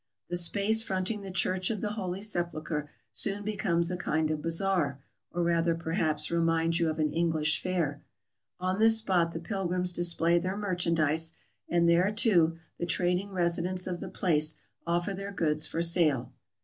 The space fronting the Church of the Holy Sepulchre soon becomes a kind of bazaar, or rather, perhaps, reminds you of an English fair. On this spot the pilgrims display their merchandise; and there, too, the trading residents of the place offer their goods for sale.